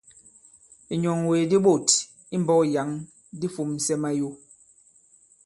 Ìnyɔ̀ŋwègè di ɓôt i mbɔ̄k yǎŋ di fūmsɛ mayo.